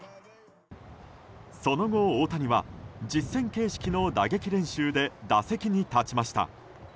その後、大谷は実戦形式の打撃練習で打席に立ちました。